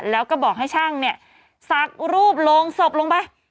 แล้วก็บอกให้ช่างเนี่ยสักรูปโรงศพลงไป